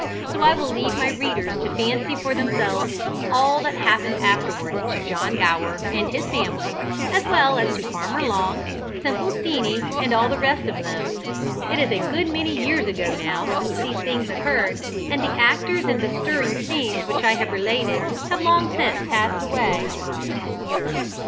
So I will leave my readers to fancy for themselves all that happened afterwards to John Gower and his family, as well as to Farmer Long, Simple Steenie, and all the rest of them. It is a good many years ago now since these things occurred, and the actors in the stirring scenes which I have related have long since passed away.